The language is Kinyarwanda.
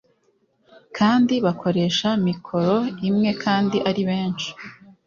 kandi bakoresha mikoro imwe kandi aribenshi